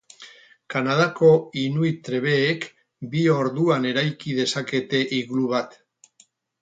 Kanadako inuit trebeek bi orduan eraiki dezakete iglu bat.